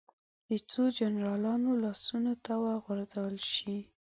د څو جنرالانو لاسونو ته وغورځول شي.